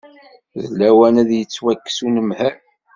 D lawan ad yettwakkes unemhal.